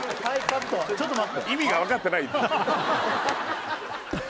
カットちょっと待って意味が分かってない